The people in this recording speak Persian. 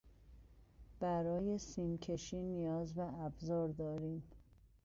برای سیم کشی نیاز به ابزار داریم.